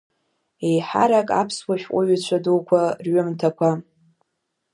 Еиҳарак аԥсуа шәҟәыҩҩцәа дуқәа рҩымҭақәа.